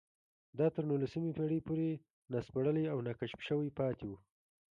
دا تر نولسمې پېړۍ پورې ناسپړلي او ناکشف شوي پاتې وو